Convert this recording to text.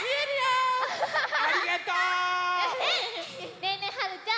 ねえねえはるちゃん。